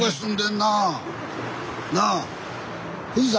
なあ？